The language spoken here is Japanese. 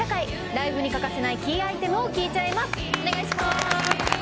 ライブに欠かせないキーアイテムを聞いちゃいます。